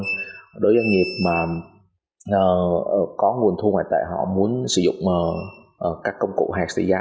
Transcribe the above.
đối với doanh nghiệp mà có nguồn thu ngoại tệ họ muốn sử dụng các công cụ hạt tỷ giá